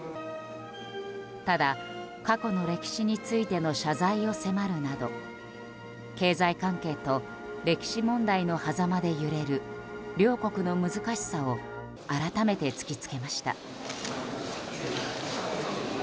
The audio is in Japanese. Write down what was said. ただ、過去の歴史についての謝罪を迫るなど経済関係と歴史問題のはざまで揺れる両国の難しさを改めて突き付けました。